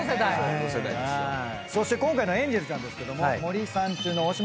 そして今回のエンジェルちゃんですが森三中の大島さん